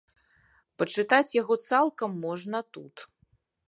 Пачытаць яго цалкам можна тут.